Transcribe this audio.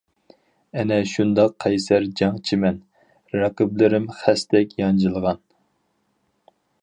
ئەنە شۇنداق قەيسەر جەڭچىمەن، رەقىبلىرىم خەستەك يانجىلغان.